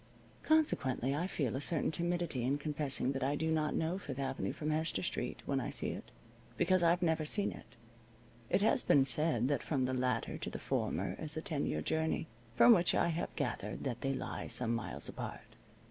Consequently I feel a certain timidity in confessing that I do not know Fifth Avenue from Hester Street when I see it, because I've never seen it. It has been said that from the latter to the former is a ten year journey, from which I have gathered that they lie some miles apart.